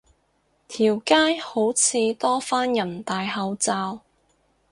條街好似多返人戴口罩